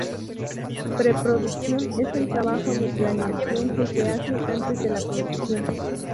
Pre-produccion es el trabajo de planeación que se hace antes de la producción